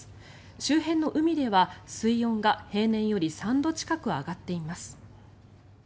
周辺の海では水温が平年より３度近く上がっています。